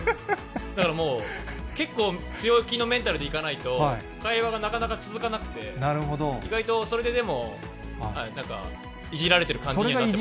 だからもう、結構強気のメンタルでいかないと、会話がなかなか続かなくて、意外とそれででも、なんかいじられてる感じにはなってます。